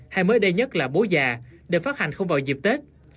hay mới đây nhất là bố già đều phát hành không vào dịp tết